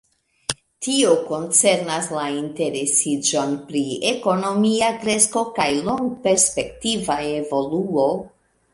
Tio koncernas la interesiĝon pri ekonomia kresko kaj longperspektiva evoluo.